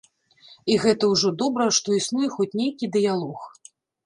І гэта ўжо добра, што існуе хоць нейкі дыялог.